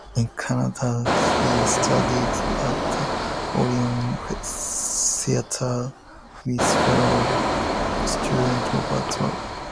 In Canada he studied at the Orion theater with fellow student Robert Goulet.